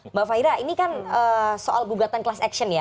mbak fahira ini kan soal gugatan kelas aksion ya